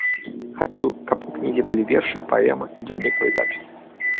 Хачу, каб у кнізе былі вершы, паэма, дзённікавыя запісы.